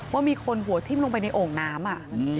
ว่ามีคนหัวทิ้มลงไปในโอ่งน้ำ